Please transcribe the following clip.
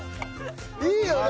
いいよね！